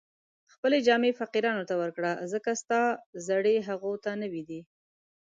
خپلې جامې فقیرانو ته ورکړه، ځکه ستا زړې هغو ته نوې دي